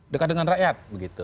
dekat dengan rakyat